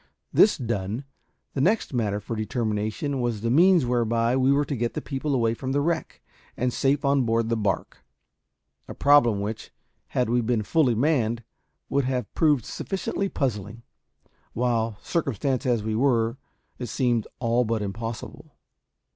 This done, the next matter for determination was the means whereby we were to get the people away from the wreck, and safe on board the barque a problem which, had we been fully manned, would have proved sufficiently puzzling; while, circumstanced as we were, it seemed all but impossible.